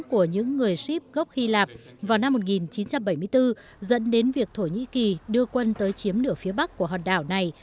của những người shib gốc hy lạp vào năm một nghìn chín trăm bảy mươi bốn dẫn đến việc thổ nhĩ kỳ đưa quân tới chiếm nửa phía bắc của hòn đảo này